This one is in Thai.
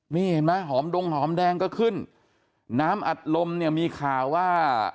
นี่เห็นไหมหอมดงหอมแดงก็ขึ้นน้ำอัดลมเนี่ยมีข่าวว่า